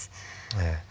ええ。